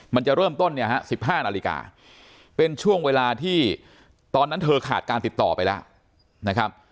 มันจะเริ่มต้นเนี่ยฮะ๑๕นาฬิกาเป็นช่วงเวลาที่ตอนนั้นเธอขาดการติดต่อไปแล้วนะครับ